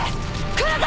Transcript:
来るぞ！